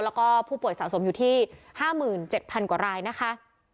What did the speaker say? แล้วก็ผู้ป่วยสะสมอยู่ที่๕๗๐๐กว่ารายนะคะ